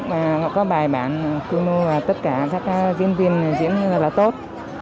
và có bài bản cung nô và tất cả các diễn viên diễn ra là tốt